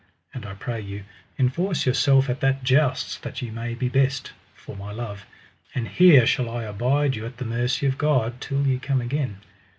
And I pray you, enforce yourself at that jousts that ye may be best, for my love; and here shall I abide you at the mercy of God till ye come again.